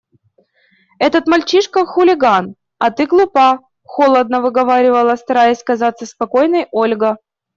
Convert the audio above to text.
Этот мальчишка – хулиган, а ты глупа, – холодно выговаривала, стараясь казаться спокойной, Ольга.